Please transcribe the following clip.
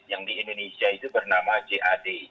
yang di indonesia itu bernama jad